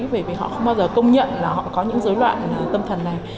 bởi vì họ không bao giờ công nhận là họ có những dối loạn tâm thần này